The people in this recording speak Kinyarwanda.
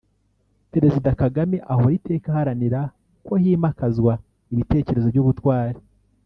Perezida Kagame ahora iteka aharanira ko himakazwa ibitekerezo by’ubutwari